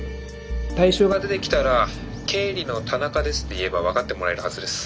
対象が出てきたら「経理の田中です」って言えば分かってもらえるはずです。